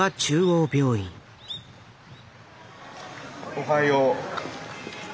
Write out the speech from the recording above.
おはよう。